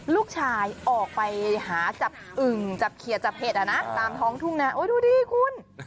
ลูกชายออกไปหาจับอึ่งจับเขียจับเห็ดอ่ะนะตามท้องทุ่งนาโอ้ดูดิคุณ